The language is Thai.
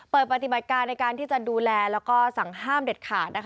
เปิดปฏิบัติการในการที่จะดูแลแล้วก็สั่งห้ามเด็ดขาดนะคะ